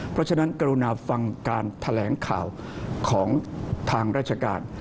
เพราะฉะนั้นกรุณาฟังการแถลงข่าวของทางราชการ